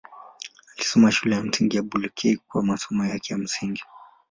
Alisoma Shule ya Msingi Bulekei kwa masomo yake ya msingi.